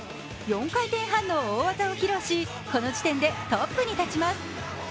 ４回転半の大技を披露しこの時点でトップに立ちます。